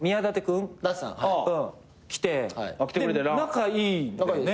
仲いいんだよね。